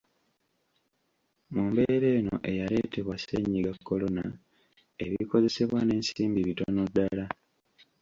Mu mbeera eno eyaleetebwa ssenyiga Kolona, ebikozesebwa n'ensimbi bitono ddala.